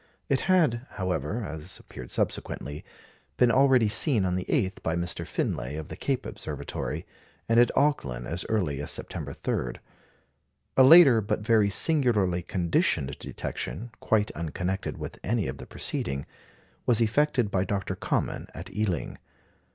It had, however (as appeared subsequently), been already seen on the 8th by Mr. Finlay of the Cape Observatory, and at Auckland as early as September 3. A later, but very singularly conditioned detection, quite unconnected with any of the preceding, was effected by Dr. Common at Ealing.